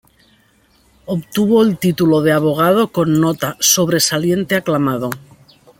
Obtuvo el título de abogado con nota "sobresaliente aclamado".